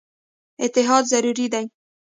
اتحاد ضروري دی.